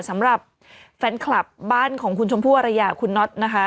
สำหรับแฟนคลับบ้านของคุณชมพู่อรยาคุณน็อตนะคะ